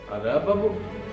ada apa bu